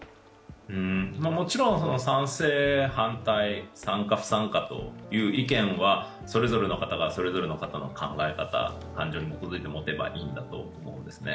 もちろん賛成・反対、参加・不参加という意見はそれぞれの方がそれぞれの方の考え方に基づいて持てばいいんだと思います。